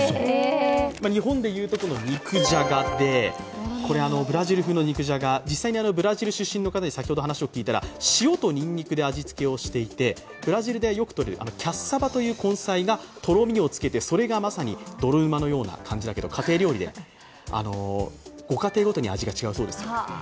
日本でいうところの肉じゃがで、ブラジル風の肉じゃが、実際にブラジル出身の方に先ほど話を聞いたら塩とにんにくで味付けをしていてブラジルでよくとれるキャッサバという根菜がとろみをつけてそれがまさに泥うまのような感じだと毛、家庭料理でご家庭ごとで味が違うようですよ。